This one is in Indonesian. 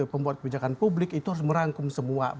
pembuat kebijakan publik itu harus merangkum semua